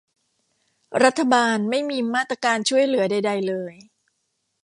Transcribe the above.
รัฐบาลไม่มีมาตรการช่วยเหลือใดใดเลย